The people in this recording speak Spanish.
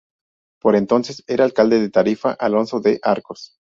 Por entonces era alcaide de Tarifa Alonso de Arcos.